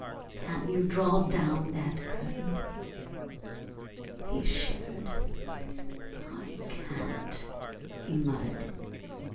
Can't you draw down that curtain?" He shivered. "I can't!" he muttered.